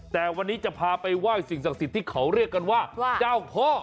แต่วันนี้จะพาไปไหว้สิ่งศักดิ์สิทธิ์ที่เขาเรียกกันว่าเจ้าพ่อ